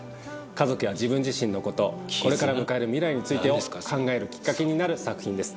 家族や自分自身の事これから迎える未来についてを考えるきっかけになる作品です。